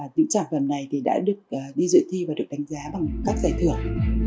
những sản phẩm này đã được đi dự thi và được đánh giá bằng các giải thưởng